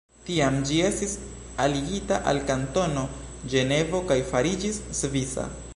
Tiam ĝi estis aligita al Kantono Ĝenevo kaj fariĝis svisa.